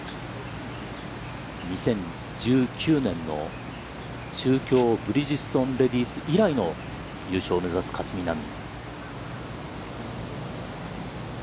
２０１９年の中京ブリヂストンレディース以来の優勝を目指す、勝みなみ。